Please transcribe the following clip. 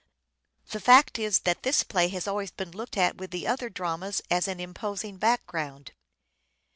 The fact is that this play has always been looked at with the other dramas as an imposing background.